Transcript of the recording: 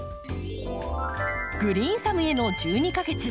「グリーンサムへの１２か月」。